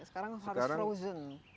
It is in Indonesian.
sekarang harus frozen